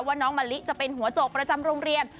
น้องมะลิจะเป็นหัวโจกประจำโรงเรียน